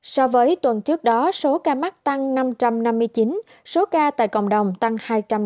so với tuần trước đó số ca mắc tăng năm trăm năm mươi chín số ca tại cộng đồng tăng hai trăm linh ba